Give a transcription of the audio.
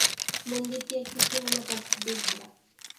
মন্দিরটি একটি সীমানা প্রাচীর দিয়ে ঘেরা।